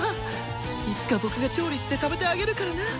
いつか僕が調理して食べてあげるからな！